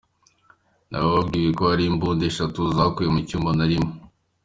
Nabwiwe ko hari imbunda eshatu zakuwe mu cyumba narimo.